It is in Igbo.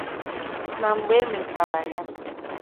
na mgbe e mechara ya.